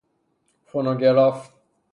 فونوگراف